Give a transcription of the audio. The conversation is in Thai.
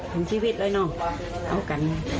ทำชีวิตเลยน่ะเอากัน